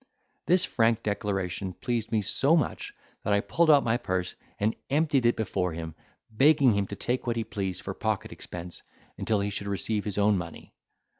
This frank declaration pleased me so much, that I pulled out my purse, and emptied it before him, begging him to take what he pleased for pocket expense, until he should receive his own money.